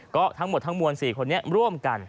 ก็ทั้งหมดทั้งมวล๔คนนี้ร่วมกัน